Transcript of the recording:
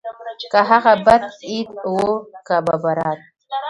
که هغه به عيد وو که ببرات.